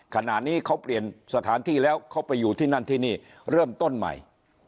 ขณะนี้เขาเปลี่ยนสถานที่แล้วเขาไปอยู่ที่นั่นที่นี่เริ่มต้นใหม่